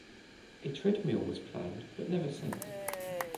A treadmill was planned, but never sent.